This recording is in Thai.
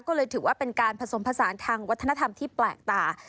ก็เลยถือว่าเป็นการผสมผสานทางวัฒนธรรมที่แปลกตา